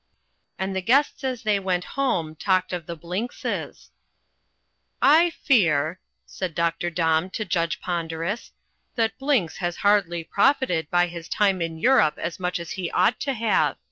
And the guests as they went home talked of the Blinkses. "I fear," said Dr. Domb to Judge Ponderus, "that Blinks has hardly profited by his time in Europe as much as he ought to have.